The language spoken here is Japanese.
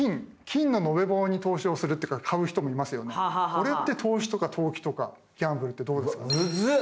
これって投資とか投機とかギャンブルってどうですか？